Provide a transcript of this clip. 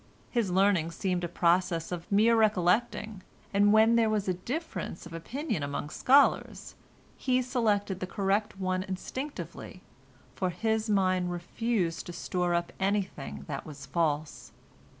His learning seemed a process of mere recollecting, and when there was a difference of opinion among scholars, he selected the correct one instinctively, for his mind refused to store up anything that was false.